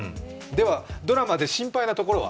では、ドラマで心配なところは？